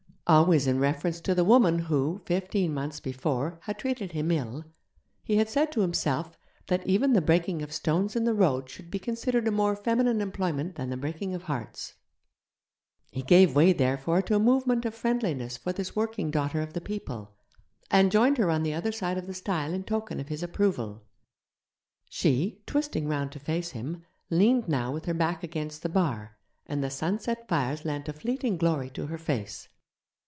Always in reference to the woman who, fifteen months before, had treated him ill; he had said to himself that even the breaking of stones in the road should be considered a more feminine employment than the breaking of hearts. He gave way therefore to a movement of friendliness for this working daughter of the people, and joined her on the other side of the stile in token of his approval. She, twisting round to face him, leaned now with her back against the bar, and the sunset fires lent a fleeting glory to her face.